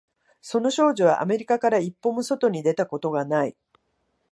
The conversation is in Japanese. その少女はアメリカから一歩も外に出たことがない